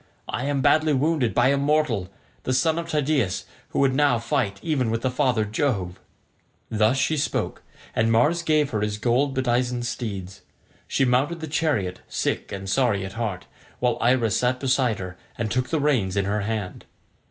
I am badly wounded by a mortal, the son of Tydeus, who would now fight even with father Jove." Thus she spoke, and Mars gave her his gold bedizened steeds. She mounted the chariot sick and sorry at heart, while Iris sat beside her and took the reins in her hand.